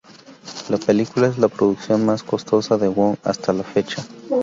La película es la producción más costosa de Wong hasta la fecha.